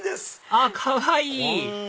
あっかわいい！